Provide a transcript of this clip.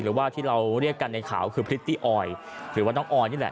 หรือว่าที่เราเรียกกันในข่าวคือพริตตี้ออยหรือว่าน้องออยนี่แหละ